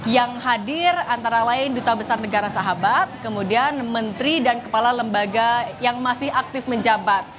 yang hadir antara lain duta besar negara sahabat kemudian menteri dan kepala lembaga yang masih aktif menjabat